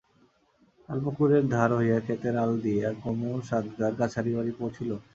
তালপুকুরের ধার হইয়া ক্ষেতের আল দিয়া কুমুদ সাতগার কাছারিবাড়ি পৌছিল।